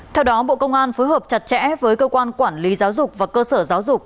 theo đó bộ công an phối hợp chặt chẽ với cơ quan quản lý giáo dục và cơ sở giáo dục